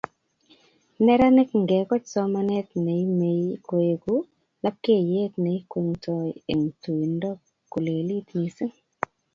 neranik ngekoch somanet neimei koeku lapkeiyet neikwengtoi eng tuindo kolelit missing